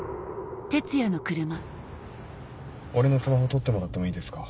俺のスマホ取ってもらってもいいですか？